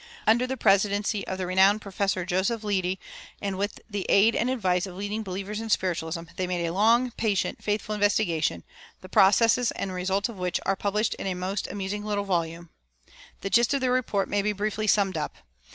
Under the presidency of the renowned Professor Joseph Leidy, and with the aid and advice of leading believers in spiritualism, they made a long, patient, faithful investigation, the processes and results of which are published in a most amusing little volume.[338:1] The gist of their report may be briefly summed up.